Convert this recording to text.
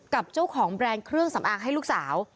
กับเจ้าของแบรนด์เครื่องสำอางให้ลูกสาว